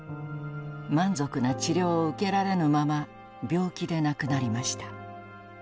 満足な治療を受けられぬまま病気で亡くなりました。